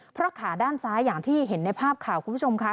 เพราะขาด้านซ้ายอย่างที่เห็นในภาพข่าวคุณผู้ชมค่ะ